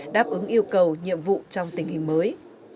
đáp ứng yêu cầu nhiệm vụ trong tình hình mới